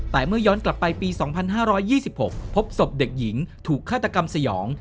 แต่เมื่อย้อนกลับไปปี๒๕๒๖พบศพเด็กหญิงถูกฆาตกรรมสยอง